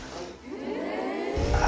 ・あ。